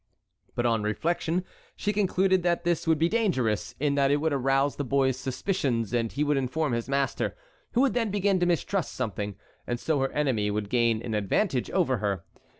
But on reflection she concluded that this would be dangerous, in that it would arouse the boy's suspicions and he would inform his master, who would then begin to mistrust something, and so her enemy would gain an advantage over her.